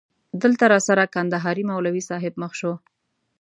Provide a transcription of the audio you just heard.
دلته راسره کندهاری مولوی صاحب مخ شو.